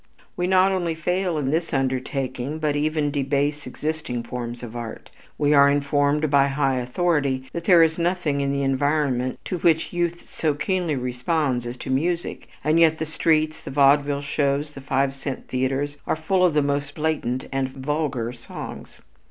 We not only fail in this undertaking but even debase existing forms of art. We are informed by high authority that there is nothing in the environment to which youth so keenly responds as to music, and yet the streets, the vaudeville shows, the five cent theaters are full of the most blatant and vulgar songs.